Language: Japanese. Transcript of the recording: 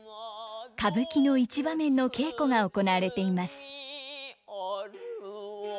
歌舞伎の一場面の稽古が行われています。